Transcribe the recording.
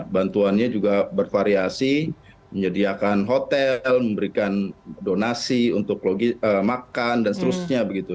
bantuannya juga bervariasi menyediakan hotel memberikan donasi untuk makan dan seterusnya begitu